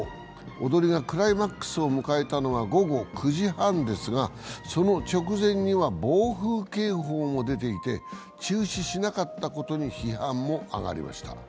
踊りがクライマックスを迎えたのは午後９時半ですがその直前には暴風警報も出ていて中止しなかったことに批判も上がりました。